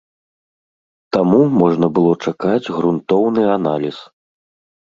Таму можна было чакаць грунтоўны аналіз.